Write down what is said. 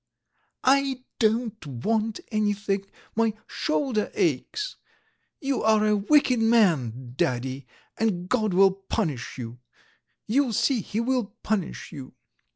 "I don't want anything, my shoulder aches! You are a wicked man, Daddy, and God will punish you! You'll see He will punish you."